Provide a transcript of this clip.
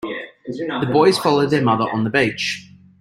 The boys follow their mother on the beach.